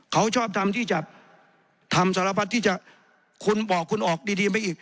เขาชอบทำที่จะทำสารพัดที่จะคุณบอกคุณออกดีไปอีก